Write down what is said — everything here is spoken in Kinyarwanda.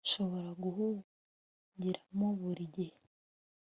nshobora guhungiramo buri gihe